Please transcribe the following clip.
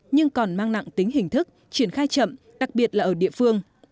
nhưng còn mang nặng tính hình thức triển khai chậm đặc biệt là ở địa phương